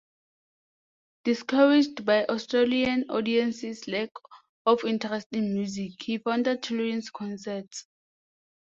Discouraged by Australian audiences' lack of interest in music, he founded Children's Concerts.